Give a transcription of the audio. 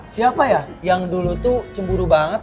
siapa ya yang dulu tuh cemburu banget